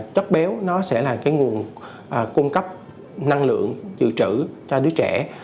chất béo sẽ là nguồn cung cấp năng lượng dự trữ cho đứa trẻ